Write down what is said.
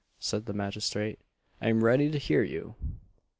said the magistrate, "I am ready to hear you."